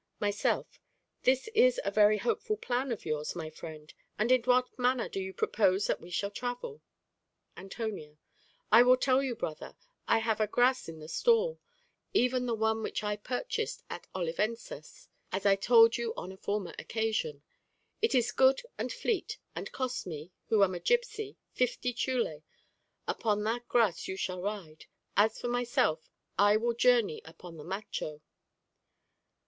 Myself This is a very hopeful plan of yours, my friend: and in what manner do you propose that we shall travel? Antonio I will tell you, brother. I have a gras in the stall, even the one which I purchased at Olivenças, as I told you on a former occasion; it is good and fleet, and cost me, who am a gipsy, fifty chulé: upon that gras you shall ride. As for myself, I will journey upon the macho.